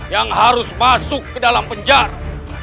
yang harus masuk ke dalam penjara